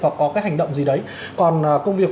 hoặc có cái hành động gì đấy còn công việc